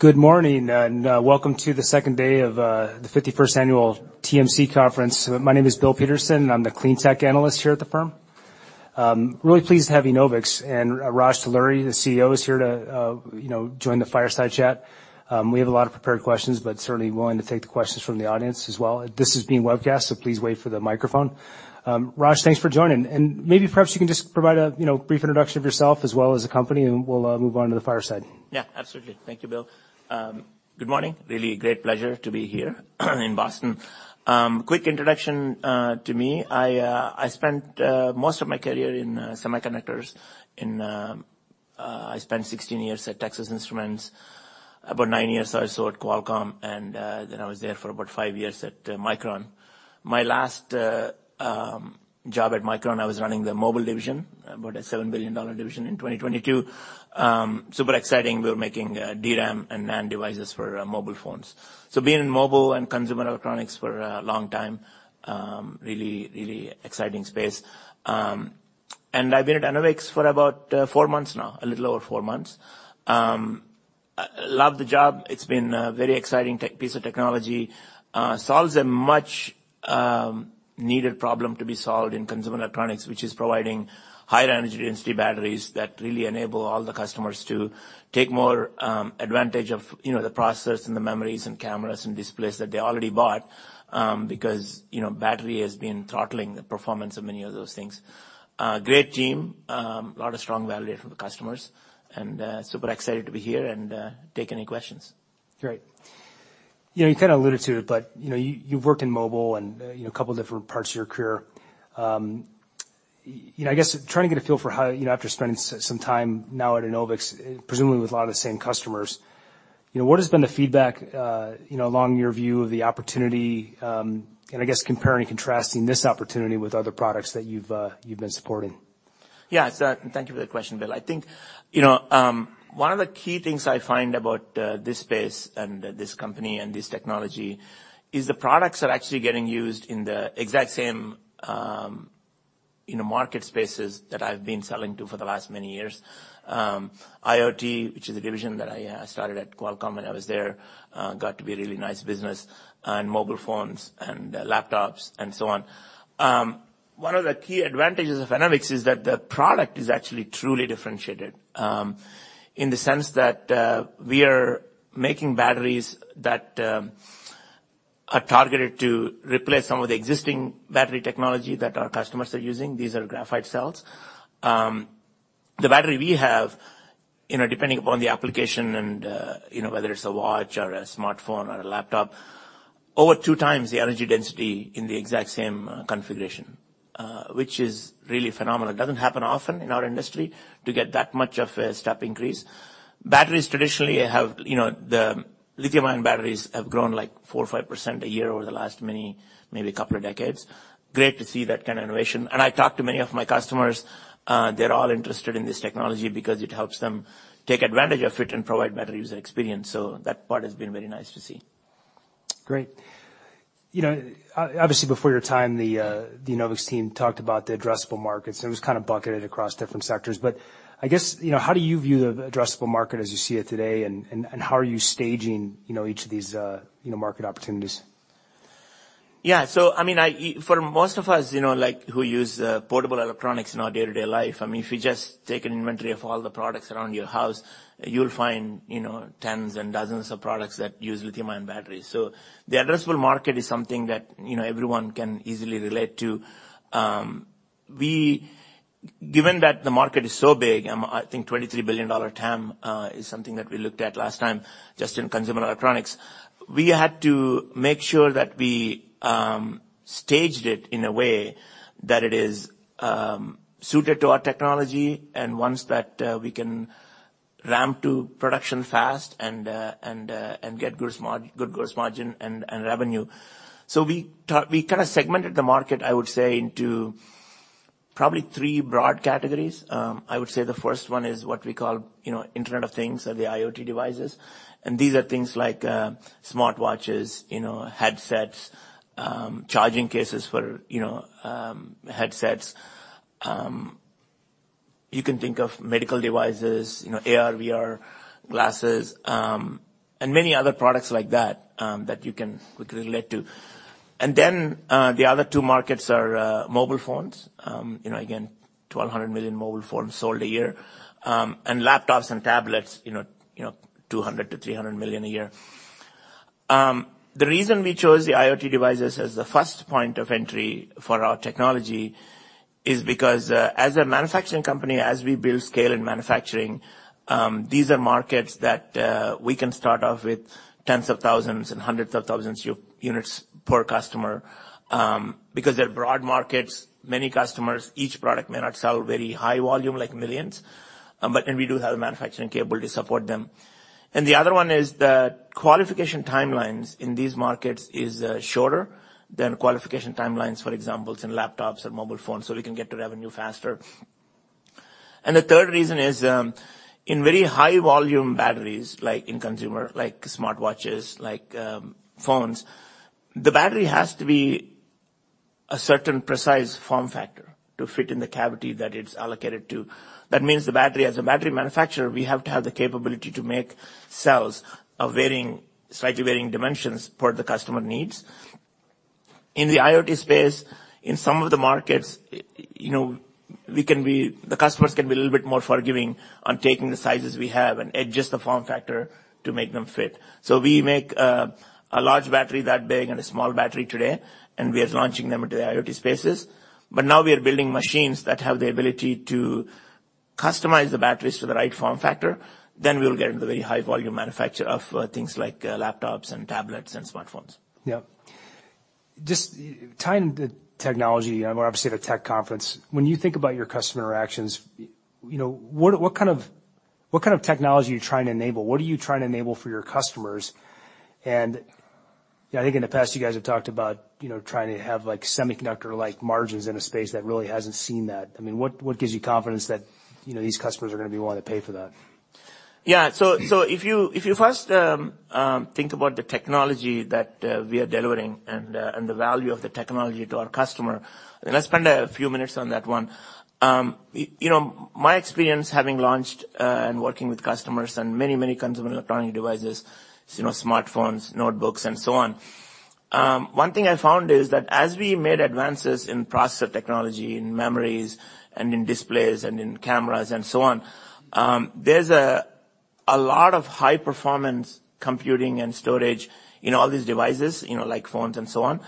Good morning, welcome to the second day of the 51st annual TMC Conference. My name is Bill Peterson, I'm the clean tech analyst here at the firm. Really pleased to have Enovix, Raj Talluri, the CEO is here to, you know, join the fireside chat. We have a lot of prepared questions, certainly willing to take the questions from the audience as well. This is being webcast, please wait for the microphone. Raj, thanks for joining. Maybe perhaps you can just provide a, you know, brief introduction of yourself as well as the company, and we'll move on to the fireside. Yeah, absolutely. Thank you, Bill. Good morning. Really great pleasure to be here in Boston. Quick introduction to me. I spent most of my career in semiconductors in. I spent 16 years at Texas Instruments, about nine years or so at Qualcomm, then I was there for about five years at Micron. My last job at Micron, I was running the mobile division, about a $7 billion division in 2022. Super exciting. We were making DRAM and NAND devices for mobile phones. Being in mobile and consumer electronics for a long time, really exciting space. I've been at Enovix for about four months now, a little over four months. Love the job. It's been a very exciting tech piece of technology. Solves a much needed problem to be solved in consumer electronics, which is providing higher energy density batteries that really enable all the customers to take more advantage of, you know, the processors and the memories and cameras and displays that they already bought. Because, you know, battery has been throttling the performance of many of those things. Great team. A lot of strong validation from the customers, and super excited to be here and take any questions. Great. You know, you kind of alluded to it, but, you know, you've worked in mobile and, you know, a couple different parts of your career. You know, I guess trying to get a feel for how, you know, after spending some time now at Enovix, presumably with a lot of the same customers, you know, what has been the feedback, you know, along your view of the opportunity, and I guess comparing and contrasting this opportunity with other products that you've been supporting? Thank you for the question, Bill. I think, you know, one of the key things I find about this space and this company and this technology is the products are actually getting used in the exact same, you know, market spaces that I've been selling to for the last many years. IoT, which is a division that I started at Qualcomm, and I was there, got to be a really nice business and mobile phones and laptops and so on. One of the key advantages of Enovix is that the product is actually truly differentiated, in the sense that we are making batteries that are targeted to replace some of the existing battery technology that our customers are using. These are graphite cells. The battery we have, you know, depending upon the application and, you know, whether it's a watch or a smartphone or a laptop, over two times the energy density in the exact same configuration, which is really phenomenal. It doesn't happen often in our industry to get that much of a step increase. Batteries traditionally have, you know, the lithium-ion batteries have grown, like, 4% or 5% a year over the last many, maybe couple of decades. Great to see that kind of innovation. I talked to many of my customers, they're all interested in this technology because it helps them take advantage of it and provide better user experience. That part has been very nice to see. Great. You know, obviously before your time, the Enovix team talked about the addressable markets. It was kind of bucketed across different sectors. I guess, you know, how do you view the addressable market as you see it today, and how are you staging, you know, each of these, you know, market opportunities? I mean, I, for most of us, you know, like, who use portable electronics in our day-to-day life, I mean, if you just take an inventory of all the products around your house, you'll find, you know, tens and dozens of products that use lithium-ion batteries. The addressable market is something that, you know, everyone can easily relate to. Given that the market is so big, I think $23 billion TAM is something that we looked at last time just in consumer electronics. We had to make sure that we staged it in a way that it is suited to our technology and ones that we can ramp to production fast and get good gross margin and revenue. We kind of segmented the market, I would say, into probably three broad categories. I would say the first one is what we call, you know, Internet of Things or the IoT devices. These are things like smartwatches, you know, headsets, charging cases for, you know, headsets. You can think of medical devices, you know, AR/VR glasses, and many other products like that that you can quickly relate to. The other two markets are mobile phones. You know, again, 1,200 million mobile phones sold a year. Laptops and tablets, you know, 200 million-300 million a year. The reason we chose the IoT devices as the first point of entry for our technology is because as a manufacturing company, as we build scale in manufacturing, these are markets that we can start off with tens of thousands and hundreds of thousands units per customer because they're broad markets, many customers. Each product may not sell very high volume like millions, and we do have the manufacturing capability to support them. The other one is the qualification timelines in these markets is shorter than qualification timelines, for examples, in laptops and mobile phones, so we can get to revenue faster. The third reason is in very high volume batteries, like in consumer, like smartwatches, like phones, the battery has to be a certain precise form factor to fit in the cavity that it's allocated to. That means as a battery manufacturer, we have to have the capability to make cells of varying, slightly varying dimensions per the customer needs. In the IoT space, in some of the markets, you know, we can be the customers can be a little bit more forgiving on taking the sizes we have and adjust the form factor to make them fit. We make a large battery that big and a small battery today, and we are launching them into the IoT spaces. Now we are building machines that have the ability to customize the batteries to the right form factor, we'll get into the very high volume manufacture of things like laptops and tablets and smartphones. Yep. Just tying the technology, you know, we're obviously at a tech conference. When you think about your customer interactions, you know, what kind of technology are you trying to enable? What are you trying to enable for your customers? You know, I think in the past you guys have talked about, you know, trying to have like semiconductor-like margins in a space that really hasn't seen that. I mean, what gives you confidence that, you know, these customers are gonna be willing to pay for that? Yeah. If you, if you first, think about the technology that we are delivering and the value of the technology to our customer, and I'll spend a few minutes on that one. You know, my experience having launched and working with customers on many, many consumer electronic devices, you know, smartphones, notebooks, and so on, one thing I found is that as we made advances in processor technology, in memories, and in displays, and in cameras, and so on, there's a lot of high performance computing and storage in all these devices, you know, like phones and so on.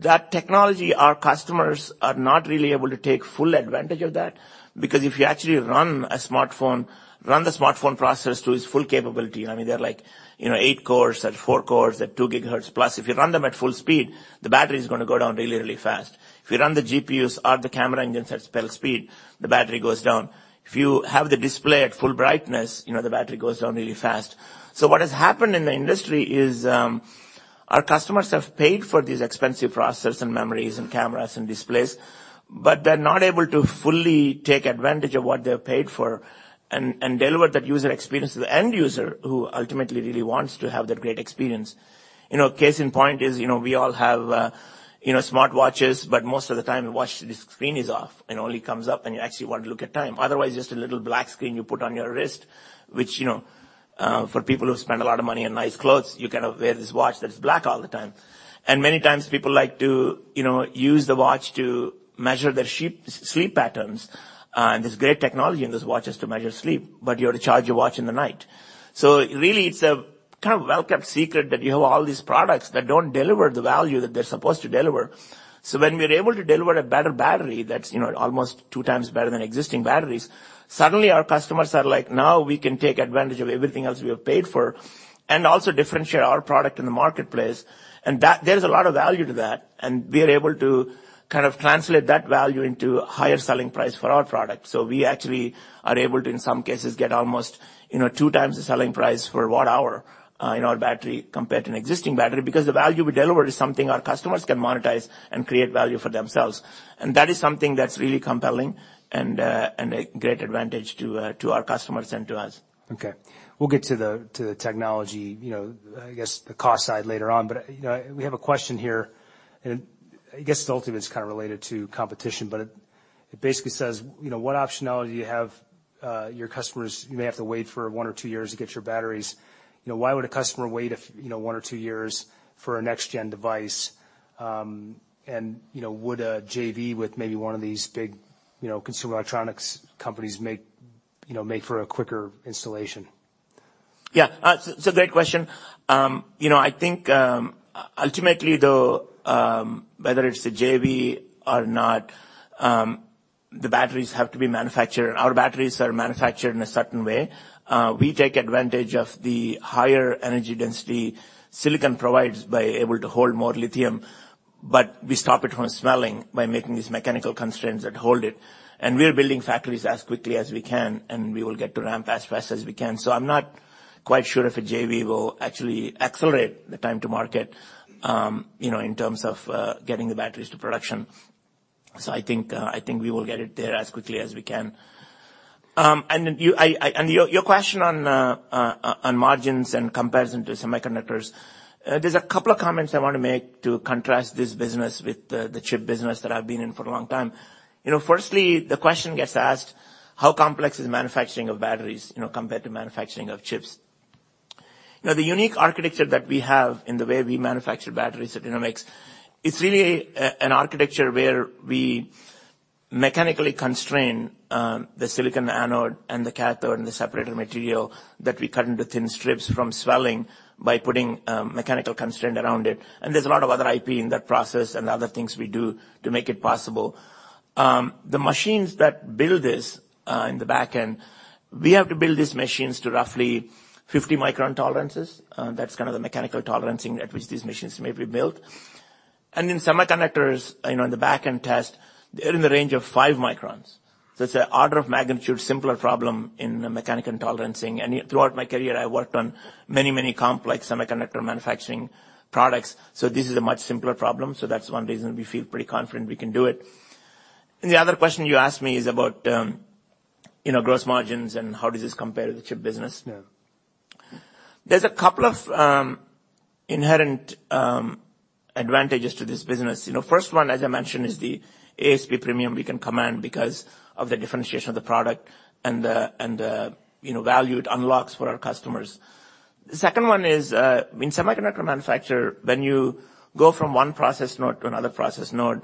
That technology, our customers are not really able to take full advantage of that, because if you actually run a smartphone, run the smartphone processors to its full capability, I mean, they're like, you know, eight cores or four cores at 2 GHz plus. If you run them at full speed, the battery is gonna go down really, really fast. If you run the GPUs or the camera engines at full speed, the battery goes down. If you have the display at full brightness, you know, the battery goes down really fast. What has happened in the industry is, our customers have paid for these expensive processors and memories and cameras and displays, but they're not able to fully take advantage of what they've paid for and deliver that user experience to the end user who ultimately really wants to have that great experience. You know, case in point is, you know, we all have, you know, smartwatches, but most of the time the watch screen is off and only comes up when you actually wanna look at time. Otherwise, just a little black screen you put on your wrist, which, you know, for people who spend a lot of money on nice clothes, you cannot wear this watch that is black all the time. Many times people like to, you know, use the watch to measure their sleep patterns. And there's great technology in those watches to measure sleep, but you have to charge your watch in the night. Really it's a kind of well-kept secret that you have all these products that don't deliver the value that they're supposed to deliver. When we're able to deliver a better battery that's, you know, almost two times better than existing batteries, suddenly our customers are like, "Now we can take advantage of everything else we have paid for, and also differentiate our product in the marketplace." That, there's a lot of value to that, and we are able to kind of translate that value into higher selling price for our product. We actually are able to, in some cases, get almost, you know, two times the selling price for watt-hour in our battery compared to an existing battery, because the value we deliver is something our customers can monetize and create value for themselves. That is something that's really compelling and a great advantage to our customers and to us. Okay. We'll get to the, to the technology, you know, I guess the cost side later on. We have a question here, and I guess ultimately it's kind of related to competition, but it basically says, you know, what optionality you have, your customers may have to wait for one or two years to get your batteries. You know, why would a customer wait one or two years for a next gen device? Would a JV with maybe one of these big, you know, consumer electronics companies make for a quicker installation? It's a great question. You know, I think ultimately though, whether it's a JV or not, the batteries have to be manufactured. Our batteries are manufactured in a certain way. We take advantage of the higher energy density silicon provides by able to hold more lithium, but we stop it from swelling by making these mechanical constraints that hold it. We are building factories as quickly as we can, and we will get to ramp as fast as we can. I'm not quite sure if a JV will actually accelerate the time to market, you know, in terms of getting the batteries to production. I think we will get it there as quickly as we can. Your question on margins and comparison to semiconductors, there's a couple of comments I wanna make to contrast this business with the chip business that I've been in for a long time. You know, firstly, the question gets asked, how complex is manufacturing of batteries, you know, compared to manufacturing of chips? You know, the unique architecture that we have in the way we manufacture batteries at Enovix, it's really an architecture where we mechanically constrain the silicon anode and the cathode and the separator material that we cut into thin strips from swelling by putting mechanical constraint around it. There's a lot of other IP in that process and other things we do to make it possible. The machines that build this in the back end, we have to build these machines to roughly 50 micron tolerances. That's kind of the mechanical tolerancing at which these machines may be built. In semiconductors, you know, in the back-end test, they're in the range of five microns. It's an order of magnitude simpler problem in mechanical tolerancing. Throughout my career, I worked on many, many complex semiconductor manufacturing products. This is a much simpler problem, so that's one reason we feel pretty confident we can do it. The other question you asked me is about, you know, gross margins and how does this compare to the chip business? Yeah. There's a couple of inherent advantages to this business. You know, first one, as I mentioned, is the ASP premium we can command because of the differentiation of the product and the value it unlocks for our customers. The second one is in semiconductor manufacturer, when you go from one process node to another process node,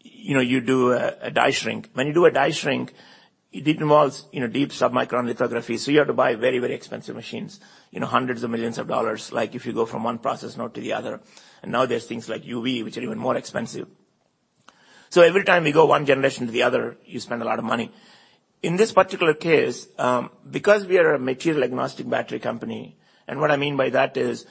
you know, you do a die shrink. When you do a die shrink, it involves, you know, deep submicron lithography, so you have to buy very expensive machines, you know, $100 million, like if you go from one process node to the other. Now there's things like UV, which are even more expensive. Every time you go one generation to the other, you spend a lot of money. In this particular case, because we are a material-agnostic battery company, and what I mean by that is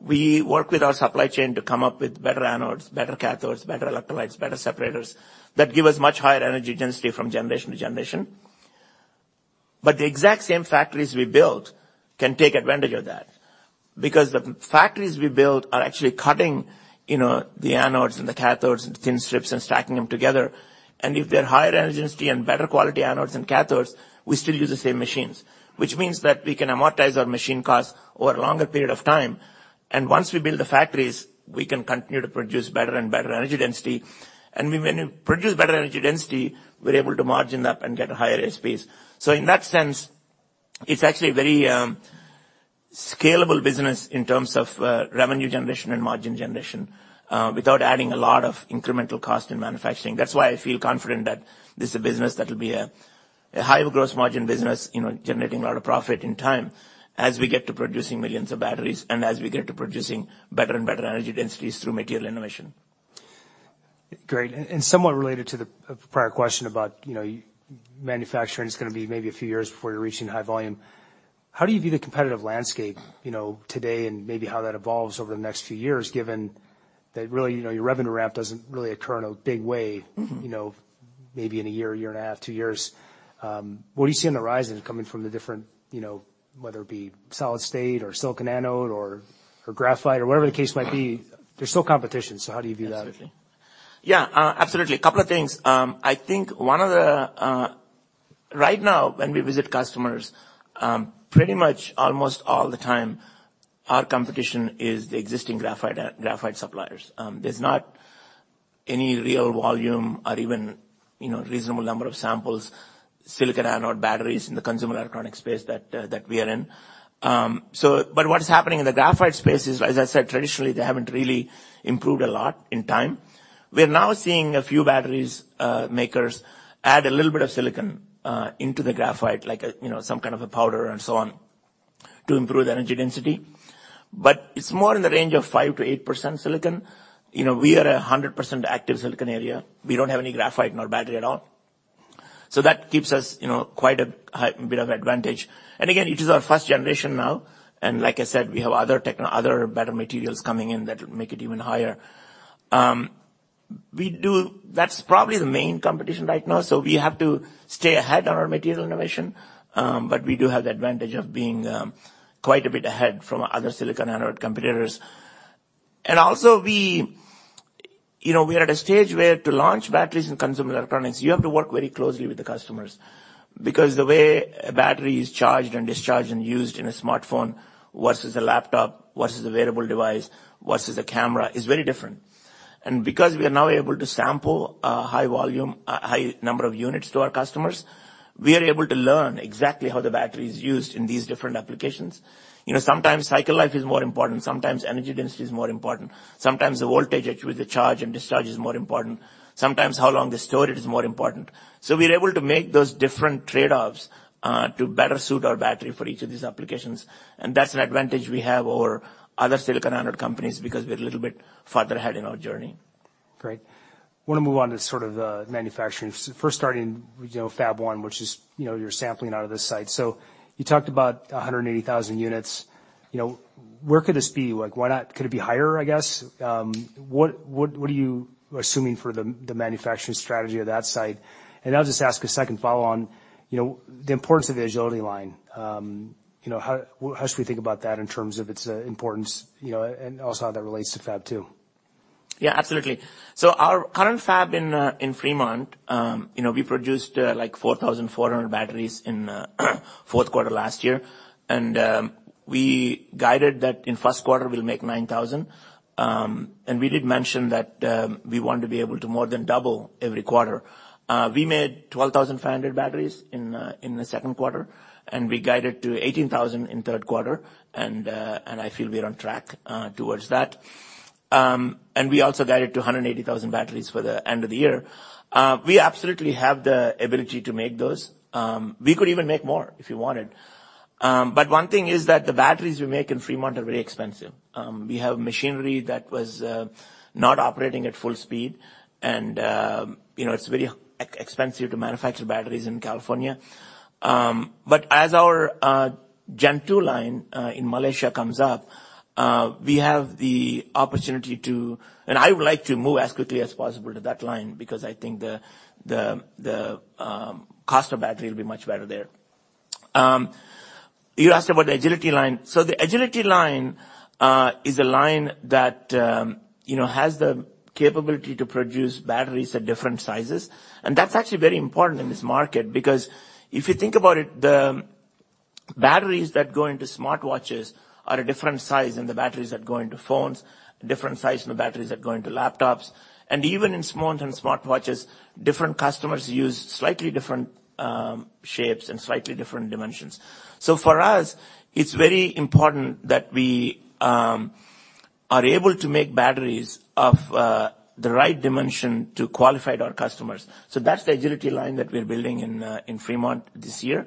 we work with our supply chain to come up with better anodes, better cathodes, better electrolytes, better separators that give us much higher energy density from generation to generation. The exact same factories we built can take advantage of that. The factories we built are actually cutting, you know, the anodes and the cathodes into thin strips and stacking them together. If they're higher energy density and better quality anodes and cathodes, we still use the same machines, which means that we can amortize our machine costs over a longer period of time. Once we build the factories, we can continue to produce better and better energy density. When we produce better energy density, we're able to margin up and get higher ASPs. In that sense, it's actually a very scalable business in terms of revenue generation and margin generation, without adding a lot of incremental cost in manufacturing. That's why I feel confident that this is a business that will be a higher gross margin business, you know, generating a lot of profit in time as we get to producing millions of batteries and as we get to producing better and better energy densities through material innovation. Great. Somewhat related to the prior question about, you know, manufacturing is gonna be maybe a few years before you're reaching high volume, how do you view the competitive landscape, you know, today and maybe how that evolves over the next few years, given that really, you know, your revenue ramp doesn't really occur in a big way. Mm-hmm. You know, maybe in a year, one and a half years, two years. What do you see on the horizon coming from the different, you know, whether it be solid state or silicon anode or graphite or whatever the case might be, there's still competition? How do you view that? Yeah, absolutely. A couple of things. I think one of the... Right now, when we visit customers, pretty much almost all the time, our competition is the existing graphite suppliers. There's not any real volume or even, you know, reasonable number of samples, silicon anode batteries in the consumer electronic space that we are in. But what is happening in the graphite space is, as I said, traditionally, they haven't really improved a lot in time. We're now seeing a few batteries, makers add a little bit of silicon into the graphite, like, you know, some kind of a powder and so on to improve the energy density. But it's more in the range of 5%-8% silicon. You know, we are 100% active silicon area. We don't have any graphite in our battery at all. That gives us, you know, quite a high bit of advantage. Again, it is our first generation now. Like I said, we have other better materials coming in that will make it even higher. That's probably the main competition right now. We have to stay ahead on our material innovation, but we do have the advantage of being quite a bit ahead from other silicon anode competitors. We, you know, we are at a stage where to launch batteries in consumer electronics, you have to work very closely with the customers because the way a battery is charged and discharged and used in a smartphone versus a laptop, versus a wearable device, versus a camera is very different. Because we are now able to sample a high volume, a high number of units to our customers, we are able to learn exactly how the battery is used in these different applications. You know, sometimes cycle life is more important, sometimes energy density is more important. Sometimes the voltage at which they charge and discharge is more important. Sometimes how long they store it is more important. We're able to make those different trade-offs to better suit our battery for each of these applications. That's an advantage we have over other silicon anode companies because we're a little bit farther ahead in our journey. Great. Wanna move on to sort of manufacturing. First starting with, you know, Fab1, which is, you know, you're sampling out of this site. You talked about 180,000 units, you know, where could this be? Like, could it be higher, I guess? What are you assuming for the manufacturing strategy of that site? I'll just ask a second follow on, you know, the importance of the Agility Line. You know, how should we think about that in terms of its importance, you know, and also how that relates to Fab2? Yeah, absolutely. Our current Fab1 in Fremont, we produced 4,400 batteries in fourth quarter last year. We guided that in first quarter, we'll make 9,000. We did mention that we want to be able to more than double every quarter. We made 12,500 batteries in the second quarter, and we guided to 18,000 in third quarter. I feel we are on track towards that. We also guided to 180,000 batteries for the end of the year. We absolutely have the ability to make those. We could even make more if we wanted. One thing is that the batteries we make in Fremont are very expensive. We have machinery that was not operating at full speed and, you know, it's very expensive to manufacture batteries in California. As our Gen2 line in Malaysia comes up, we have the opportunity to... I would like to move as quickly as possible to that line because I think the cost of battery will be much better there. You asked about the Agility Line. The Agility Line is a line that, you know, has the capability to produce batteries at different sizes. That's actually very important in this market because if you think about it, the batteries that go into smartwatches are a different size than the batteries that go into phones, different size than the batteries that go into laptops. Even in smartphones, smartwatches, different customers use slightly different shapes and slightly different dimensions. For us, it's very important that we are able to make batteries of the right dimension to qualify our customers. That's the Agility Line that we're building in Fremont this year.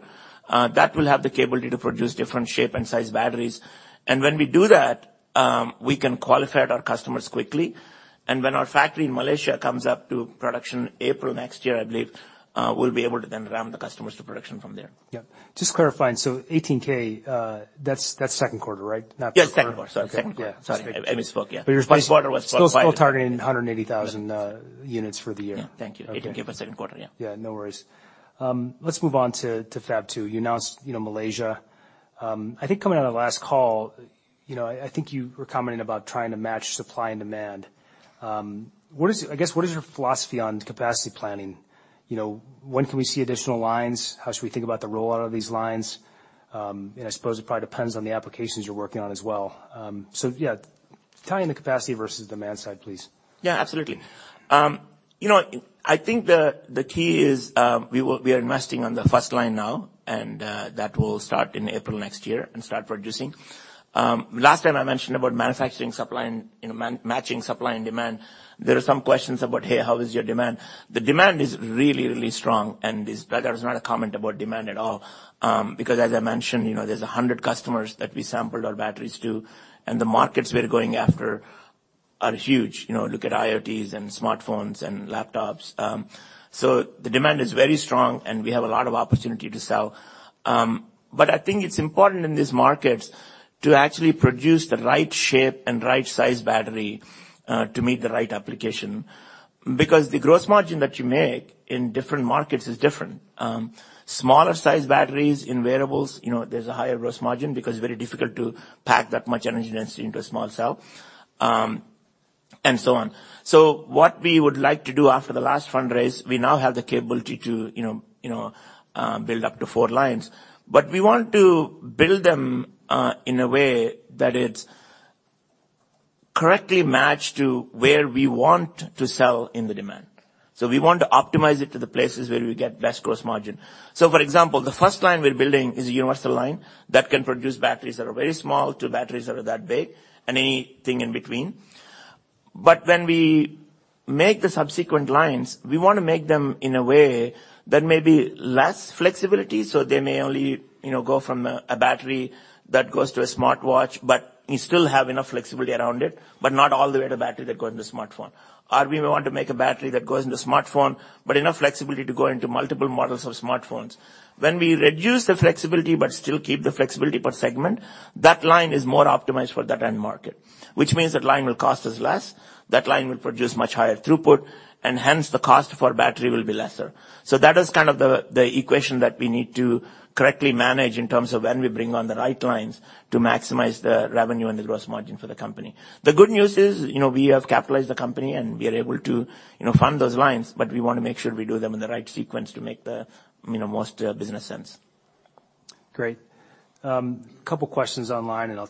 That will have the capability to produce different shape and size batteries. When we do that, we can qualify our customers quickly. When our factory in Malaysia comes up to production April 2025, I believe, we'll be able to then ramp the customers to production from there. Yeah. Just clarifying, 18K, that's second quarter, right? Yes, second quarter. Okay. Sorry. I misspoke, yeah. You're still... First quarter was. Still targeting 180,000 units for the year. Yeah. Thank you. Okay. $18,000 for second quarter, yeah. Yeah, no worries. Let's move on to Fab2. You announced, you know, Malaysia. I think coming out of the last call, you know, I think you were commenting about trying to match supply and demand. I guess, what is your philosophy on capacity planning? You know, when can we see additional lines? How should we think about the rollout of these lines? I suppose it probably depends on the applications you're working on as well. Yeah. Tell me the capacity versus demand side, please. Yeah, absolutely. You know, I think the key is, we are investing on the first line now, and that will start in April next year and start producing. Last time I mentioned about manufacturing supply and, you know, matching supply and demand, there are some questions about, "Hey, how is your demand?" The demand is really, really strong, and that was not a comment about demand at all. Because as I mentioned, you know, there's 100 customers that we sampled our batteries to, and the markets we are going after are huge. You know, look at IoT and smartphones and laptops. The demand is very strong, and we have a lot of opportunity to sell. I think it's important in these markets to actually produce the right shape and right size battery to meet the right application. Because the gross margin that you make in different markets is different. Smaller sized batteries in wearables, you know, there's a higher gross margin because it's very difficult to pack that much energy density into a small cell, and so on. What we would like to do after the last fundraise, we now have the capability to, you know, build up to four lines. We want to build them in a way that it's correctly matched to where we want to sell in the demand. We want to optimize it to the places where we get best gross margin. For example, the first line we're building is a universal line that can produce batteries that are very small to batteries that are that big and anything in between. When we make the subsequent lines, we wanna make them in a way that may be less flexibility, so they may only, you know, go from a battery that goes to a smartwatch, but you still have enough flexibility around it, but not all the way to battery that go into smartphone. We want to make a battery that goes into smartphone, but enough flexibility to go into multiple models of smartphones. When we reduce the flexibility but still keep the flexibility per segment, that line is more optimized for that end market. That line will cost us less, that line will produce much higher throughput, and hence the cost for battery will be lesser. That is kind of the equation that we need to correctly manage in terms of when we bring on the right lines to maximize the revenue and the gross margin for the company. The good news is, you know, we have capitalized the company and we are able to, you know, fund those lines, but we wanna make sure we do them in the right sequence to make the, you know, most business sense. Great. Couple questions online. Yeah.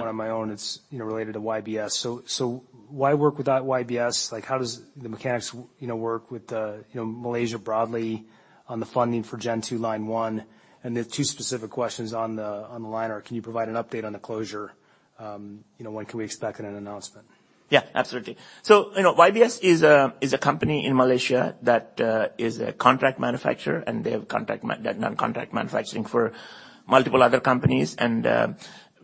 one of my own. It's, you know, related to YBS. Why work with that YBS? Like, how does the mechanics, you know, work with the, you know, Malaysia broadly on the funding for Gen2, line one? The two specific questions on the, on the line are can you provide an update on the closure? You know, when can we expect an announcement? Absolutely. You know, YBS is a company in Malaysia that is a contract manufacturer, and they have contract manufacturing for multiple other companies.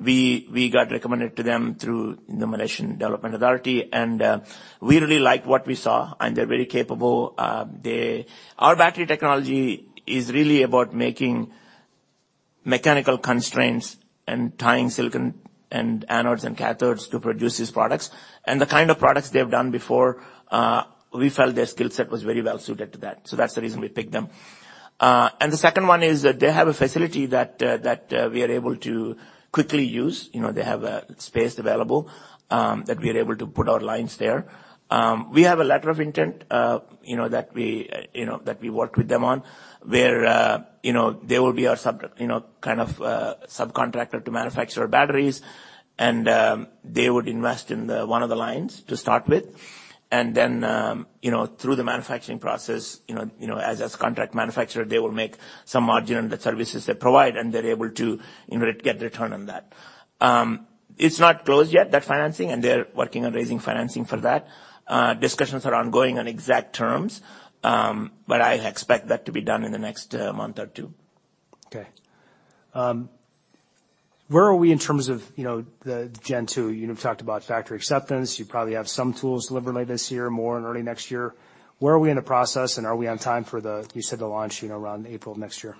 We, we got recommended to them through the Malaysian Investment Development Authority, and we really liked what we saw, and they're very capable. Our battery technology is really about making mechanical constraints and tying silicon and anodes and cathodes to produce these products. The kind of products they have done before, we felt their skill set was very well suited to that. That's the reason we picked them. The second one is that they have a facility that we are able to quickly use. You know, they have space available that we are able to put our lines there. We have a letter of intent, you know, that we worked with them on, where, you know, they will be our sub, you know, kind of subcontractor to manufacture batteries. They would invest in the one of the lines to start with. Then, you know, through the manufacturing process, you know, as contract manufacturer, they will make some margin on the services they provide, and they're able to, you know, get return on that. It's not closed yet, that financing, and they're working on raising financing for that. Discussions are ongoing on exact terms, I expect that to be done in the next month or two. Where are we in terms of, you know, the Gen2? You know, you've talked about factory acceptance. You probably have some tools delivered late this year, more in early next year. Where are we in the process, and are we on time for the, you said the launch, you know, around April next year?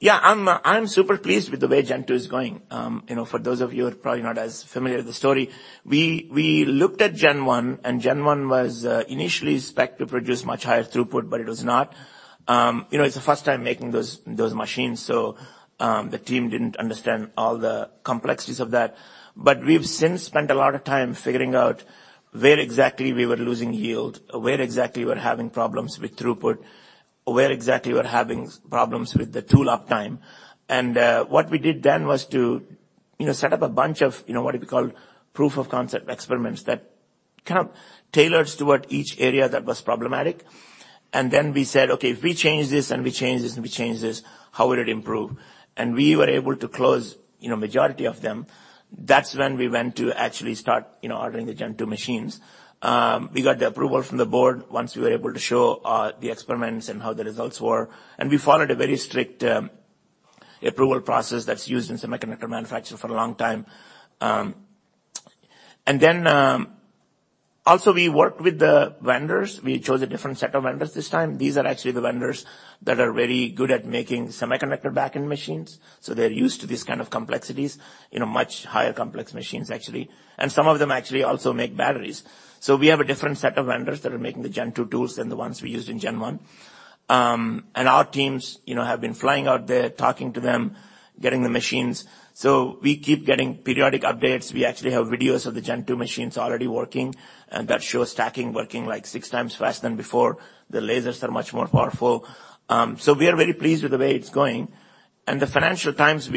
Yeah. I'm super pleased with the way Gen2 is going. You know, for those of you who are probably not as familiar with the story, we looked at Gen1, and Gen1 was initially spec'd to produce much higher throughput, but it was not. You know, it's the first time making those machines, so the team didn't understand all the complexities of that. We've since spent a lot of time figuring out where exactly we were losing yield, or where exactly we're having problems with throughput, or where exactly we're having problems with the tool uptime. What we did then was to, you know, set up a bunch of, you know, what we call proof of concept experiments that kind of tailors toward each area that was problematic. We said, "Okay, if we change this and we change this and we change this, how would it improve?" We were able to close, you know, majority of them. That's when we went to actually start, you know, ordering the Gen2 machines. We got the approval from the board once we were able to show the experiments and how the results were, and we followed a very strict approval process that's used in semiconductor manufacturing for a long time. Also we worked with the vendors. We chose a different set of vendors this time. These are actually the vendors that are very good at making semiconductor backend machines, so they're used to these kind of complexities, you know, much higher complex machines actually. Some of them actually also make batteries. We have a different set of vendors that are making the Gen2 tools than the ones we used in Gen1. Our teams, you know, have been flying out there, talking to them, getting the machines. We keep getting periodic updates. We actually have videos of the Gen2 machines already working, and that shows stacking working like six times faster than before. The lasers are much more powerful. We are very pleased with the way it's going. The financial terms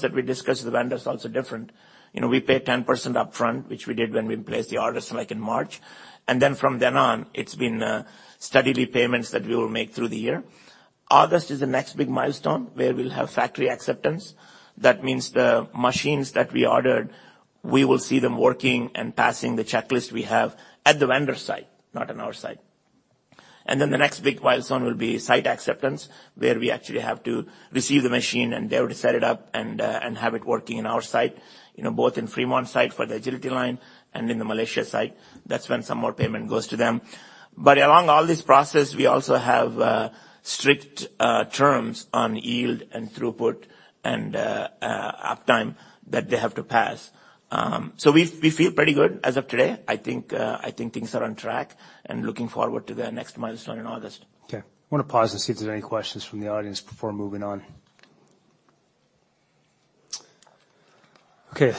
that we discussed with the vendors is also different. You know, we pay 10% upfront, which we did when we placed the orders, like in March. Then from then on, it's been steady repayments that we will make through the year. August is the next big milestone where we'll have factory acceptance. That means the machines that we ordered, we will see them working and passing the checklist we have at the vendor site, not on our site. The next big milestone will be site acceptance, where we actually have to receive the machine and they're able to set it up and have it working in our site. You know, both in Fremont for the Agility Line and in Malaysia. That's when some more payment goes to them. Along all this process, we also have strict terms on yield and throughput and uptime that they have to pass. We, we feel pretty good as of today. I think things are on track and looking forward to the next milestone in August. Okay. I wanna pause and see if there's any questions from the audience before moving on. Okay.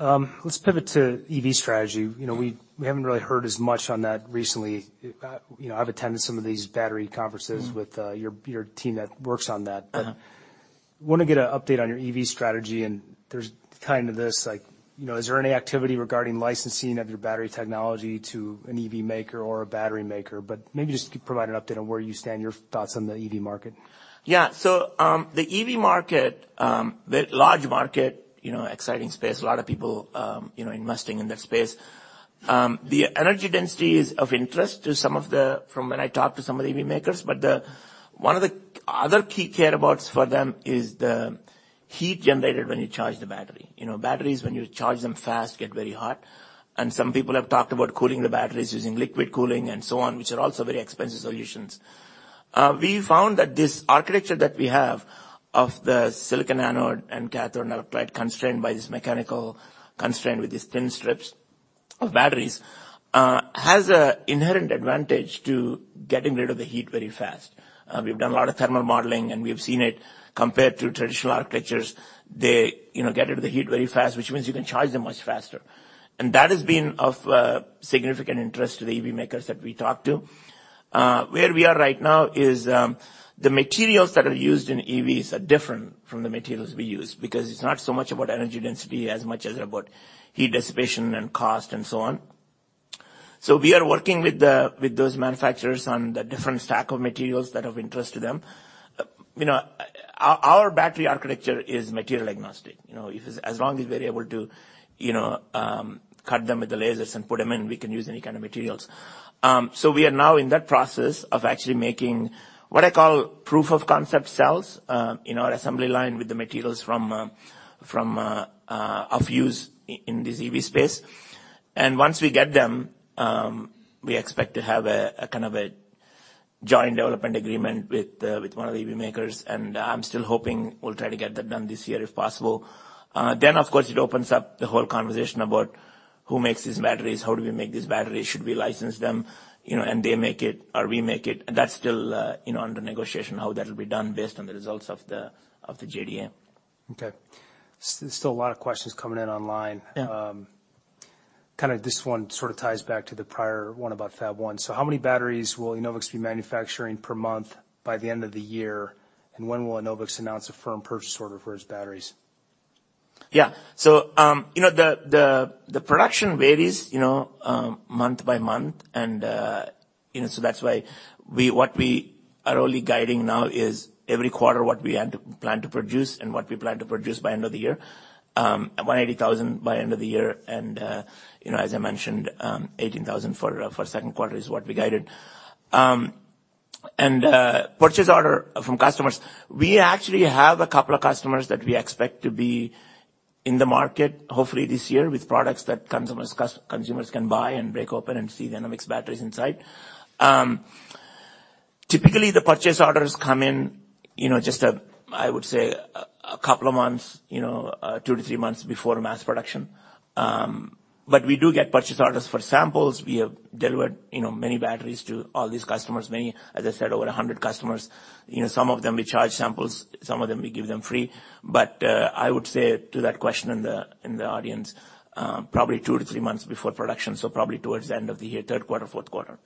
Let's pivot to EV strategy. You know, we haven't really heard as much on that recently. You know, I've attended some of these battery. Mm-hmm. with your team that works on that. Uh-huh. Wanna get an update on your EV strategy, and there's kind of this, like, you know, is there any activity regarding licensing of your battery technology to an EV maker or a battery maker? Maybe just provide an update on where you stand, your thoughts on the EV market. The EV market, very large market, you know, exciting space. A lot of people, you know, investing in that space. The energy density is of interest to some of the EV makers, but one of the other key care abouts for them is the heat generated when you charge the battery. You know, batteries, when you charge them fast, get very hot. Some people have talked about cooling the batteries using liquid cooling and so on, which are also very expensive solutions. We found that this architecture that we have of the silicon anode and cathode electrolyte constrained by this mechanical constraint with these thin strips of batteries, has a inherent advantage to getting rid of the heat very fast. We've done a lot of thermal modeling, we've seen it compared to traditional architectures. They, you know, get rid of the heat very fast, which means you can charge them much faster. That has been of significant interest to the EV makers that we talk to. Where we are right now is the materials that are used in EVs are different from the materials we use, because it's not so much about energy density as much as about heat dissipation and cost and so on. We are working with those manufacturers on the different stack of materials that of interest to them. You know, our battery architecture is material agnostic. You know, as long as we're able to, you know, cut them with the lasers and put them in, we can use any kind of materials. We are now in that process of actually making what I call proof of concept cells in our assembly line with the materials from of use in this EV space. Once we get them, we expect to have a kind of a joint development agreement with one of the EV makers, and I'm still hoping we'll try to get that done this year, if possible. Of course, it opens up the whole conversation about who makes these batteries? How do we make these batteries? Should we license them, you know, and they make it or we make it? That's still, you know, under negotiation, how that'll be done based on the results of the JDA. Okay. Still a lot of questions coming in online. Yeah. Kind of this one sort of ties back to the prior one about Fab1. How many batteries will Enovix be manufacturing per month by the end of the year? When will Enovix announce a firm purchase order for its batteries? Yeah. You know, the, the production varies, you know, month by month. You know, so that's why what we are only guiding now is every quarter, what we plan to produce and what we plan to produce by end of the year. 180,000 by end of the year and, you know, as I mentioned, 18,000 for second quarter is what we guided. Purchase order from customers, we actually have a couple of customers that we expect to be in the market, hopefully this year, with products that consumers can buy and break open and see the Enovix batteries inside. Typically, the purchase orders come in. You know, just, I would say a couple of months, you know, two to three months before mass production. We do get purchase orders for samples. We have delivered, you know, many batteries to all these customers, many, as I said, over 100 customers. You know, some of them we charge samples, some of them we give them free. I would say to that question in the audience, probably two to three months before production, so probably towards the end of the year, third quarter, fourth quarter.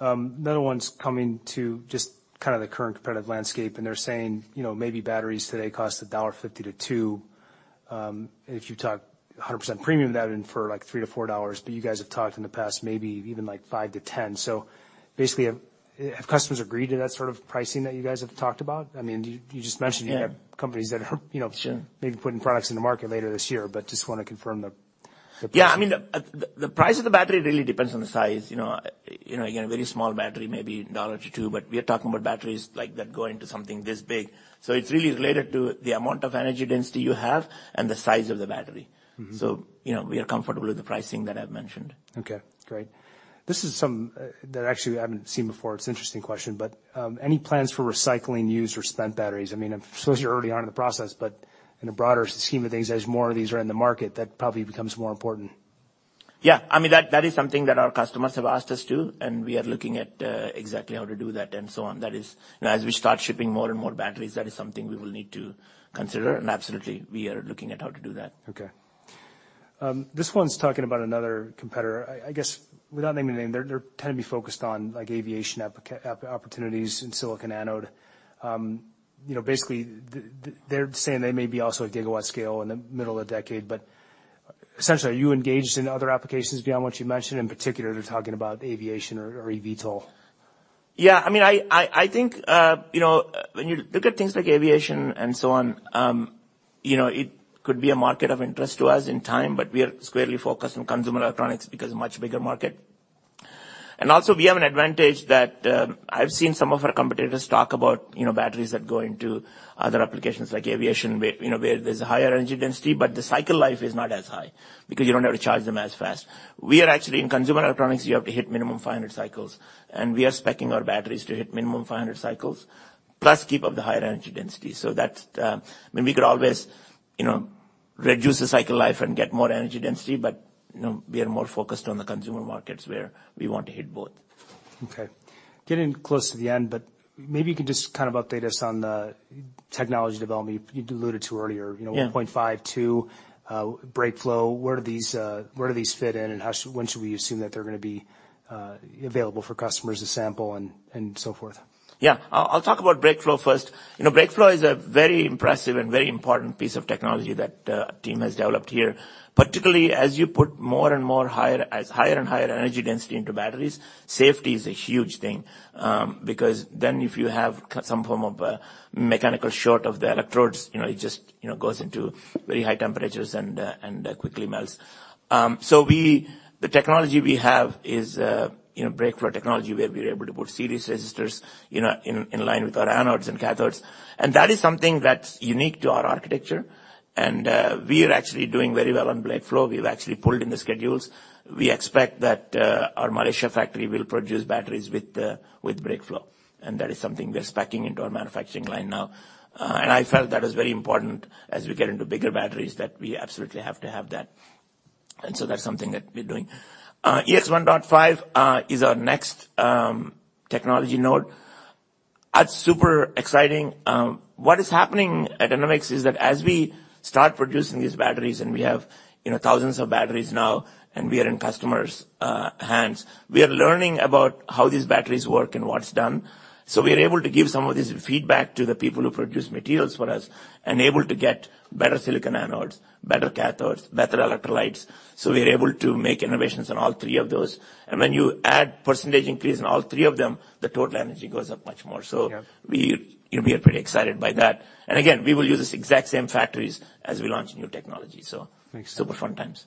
Another one's coming to just kind of the current competitive landscape, and they're saying, you know, maybe batteries today cost $1.50-$2. If you talk 100% premium that in for, like, $3-$4, but you guys have talked in the past maybe even, like, $5-$10. Basically have customers agreed to that sort of pricing that you guys have talked about? I mean, you just mentioned- Yeah. you have companies that are, you know. Sure. -maybe putting products in the market later this year, but just wanna confirm the pricing. Yeah, I mean, the price of the battery really depends on the size. You know, again, a very small battery, maybe $1-$2, we are talking about batteries like that go into something this big. It's really related to the amount of energy density you have and the size of the battery. Mm-hmm. you know, we are comfortable with the pricing that I've mentioned. Okay, great. This is something that actually I haven't seen before. It's an interesting question, but any plans for recycling used or spent batteries? I mean, I'm sure you're early on in the process, but in the broader scheme of things, as more of these are in the market, that probably becomes more important. I mean, that is something that our customers have asked us to. We are looking at exactly how to do that and so on. That is. You know, as we start shipping more and more batteries, that is something we will need to consider. Absolutely we are looking at how to do that. This one's talking about another competitor. I guess, without naming names, they're tend to be focused on, like, aviation opportunities in silicon anode. You know, basically they're saying they may be also a gigawatt scale in the middle of the decade, but essentially, are you engaged in other applications beyond what you mentioned? In particular, they're talking about aviation or eVTOL. Yeah, I mean, I think, you know, when you look at things like aviation and so on, you know, it could be a market of interest to us in time, but we are squarely focused on consumer electronics because much bigger market. Also we have an advantage that I've seen some of our competitors talk about, you know, batteries that go into other applications like aviation where there's a higher energy density, but the cycle life is not as high because you don't have to charge them as fast. We are actually in consumer electronics, you have to hit minimum 500 cycles, and we are speccing our batteries to hit minimum 500 cycles, plus keep up the higher energy density. That's. I mean, we could always, you know, reduce the cycle life and get more energy density, but, you know, we are more focused on the consumer markets where we want to hit both. Okay. Getting close to the end, maybe you can just kind of update us on the technology development you alluded to earlier. Yeah. You know, 0.52, BrakeFlow. Where do these fit in, and when should we assume that they're gonna be available for customers to sample and so forth? I'll talk about BrakeFlow first. You know, BrakeFlow is a very impressive and very important piece of technology that team has developed here. Particularly as you put higher and higher energy density into batteries, safety is a huge thing. Because then if you have some form of a mechanical short of the electrodes, you know, it just, you know, goes into very high temperatures and quickly melts. The technology we have is, you know, BrakeFlow technology, where we're able to put series resistors, you know, in line with our anodes and cathodes, and that is something that's unique to our architecture. We are actually doing very well on BrakeFlow. We've actually pulled in the schedules. We expect that our Malaysia factory will produce batteries with BrakeFlow, that is something we are speccing into our manufacturing line now. I felt that was very important as we get into bigger batteries, that we absolutely have to have that. That's something that we're doing. EX-1.5 is our next technology node. That's super exciting. What is happening at Enovix is that as we start producing these batteries, we have, you know, thousands of batteries now, we are in customers' hands, we are learning about how these batteries work and what's done. We are able to give some of this feedback to the people who produce materials for us and able to get better silicon anodes, better cathodes, better electrolytes. We are able to make innovations on all three of those. When you add percentage increase in all three of them, the total energy goes up much more. Yeah. We, you know, we are pretty excited by that. Again, we will use these exact same factories as we launch new technology. Thanks. Super fun times.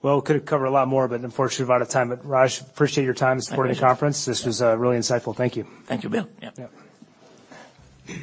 Well, we could cover a lot more, unfortunately we're out of time. Raj, appreciate your time supporting the conference. Thank you. This was, really insightful. Thank you. Thank you, Bill. Yeah. Yeah.